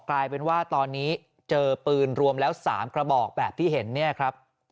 กลายเป็นว่าตอนนี้เจอปืนรวมแล้ว๓กระบอกแบบที่เห็นเนี่ยครับ